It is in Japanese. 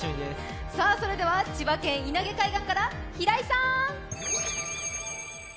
それでは千葉県・稲毛海岸から平井さん！